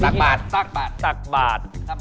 ข้อ๑ตักบาทตักบาท